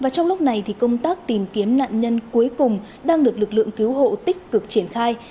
trong lúc này công tác tìm kiếm nạn nhân cuối cùng đang được lực lượng cứu hộ tích cực triển khai